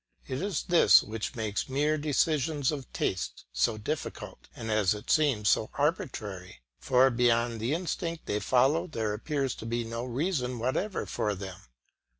It is this which makes mere decisions of taste so difficult and as it seems so arbitrary; for beyond the instinct they follow there appears to be no reason whatever for them.